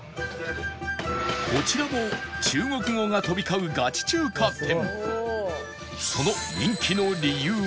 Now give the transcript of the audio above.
こちらも中国語が飛び交うガチ中華店